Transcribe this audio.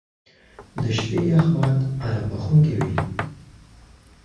• د شپې یخ باد ارام بخښونکی وي.